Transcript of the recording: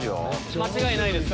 間違いないですか？